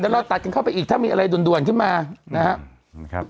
เดี๋ยวเราตัดกันเข้าไปอีกถ้ามีอะไรด่วนด่วนขึ้นมานะฮะนะครับ